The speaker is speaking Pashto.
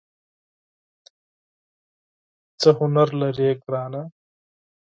څه هنر لرې ګرانه ؟